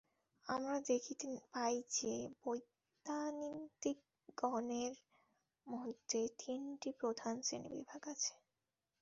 আমরা দেখিতে পাই যে, বৈদান্তিকগণের মধ্যে তিনটি প্রধান শ্রেণীবিভাগ আছে।